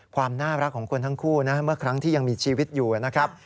ความน่ารักของคนทั้งคู่นะเมื่อครั้งที่ยังมีชีวิตอยู่นะครับ